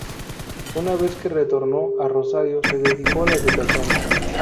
Una vez que retornó a Rosario se dedicó a la educación.